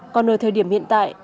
còn ở thời điểm hiện tại